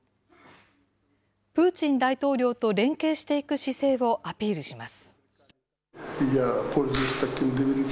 プーチン大統領と連携していく姿勢をアピールします。